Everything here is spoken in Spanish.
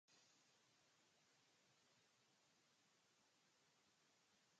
Estas tumbas hablan de contactos con Bohemia, Eslovenia, Báltico, Italia y periferia del yacimiento.